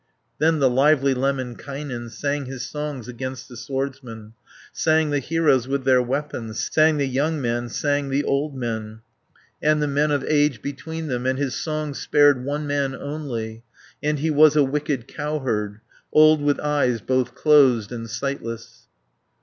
Then the lively Lemminkainen Sang his songs against the swordsmen. 470 Sang the heroes with their weapons, Sang the young men, sang the old men, And the men of age between them, And his songs spared one man only, And he was a wicked cowherd. Old, with eyes both closed and sightless.